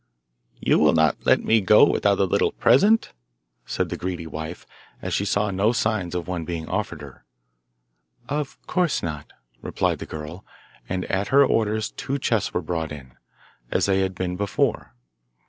'You will not let me go without a little present?' said the greedy wife, as she saw no signs of one being offered her. 'Of course not,' replied the girl, and at her orders two chests were brought in, as they had been before.